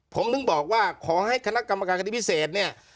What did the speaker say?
ผมถึงบอกว่าขอให้คณะกรรมการคดีพิเศษเนี่ย